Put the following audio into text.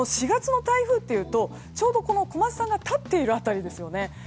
４月の台風というとちょうど小松さんが立っている辺りですよね。